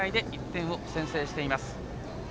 １点を先制しています。